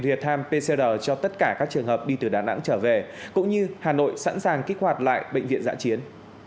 real time pcr cho tất cả các trường hợp đi từ đà nẵng trở về cũng như hà nội sẵn sàng kích hoạt lại bệnh viện giã chiến